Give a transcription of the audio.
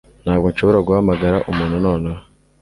Ntabwo nshobora guhamagara umuntu nonaha